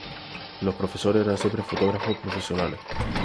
Los profesores eran siempre fotógrafos profesionales.